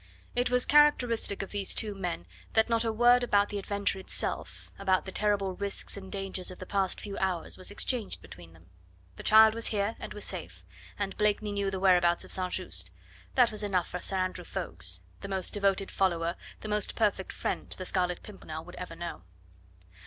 It was characteristic of these two men that not a word about the adventure itself, about the terrible risks and dangers of the past few hours, was exchanged between them. The child was here and was safe, and Blakeney knew the whereabouts of St. Just that was enough for Sir Andrew Ffoulkes, the most devoted follower, the most perfect friend the Scarlet Pimpernel would ever know.